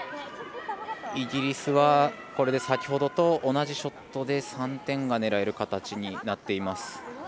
イギリスはこれで先ほどと同じショットで３点が狙える形になっています。